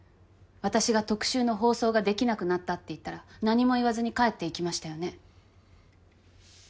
私が特集の放送ができなくなったって言ったら何も言わずに帰っていきましたよね。